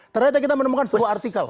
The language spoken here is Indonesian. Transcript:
ternyata kita menemukan sebuah artikel